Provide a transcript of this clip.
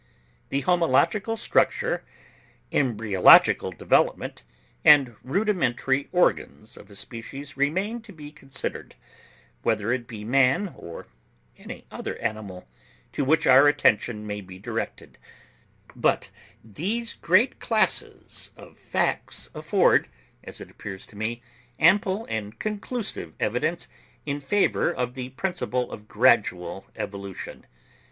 The homological structure, embryological development, and rudimentary organs of a species remain to be considered, whether it be man or any other animal, to which our attention may be directed; but these great classes of facts afford, as it appears to me, ample and conclusive evidence in favour of the principle of gradual evolution.